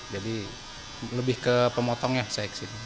jadi lebih ke pemotongnya saya kesini